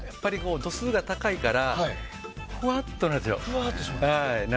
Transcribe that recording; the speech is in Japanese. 度数が高いからふわっとなるでしょ。